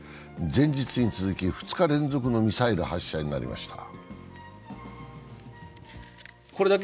前日に続き、２日連続のミサイル発射になりました。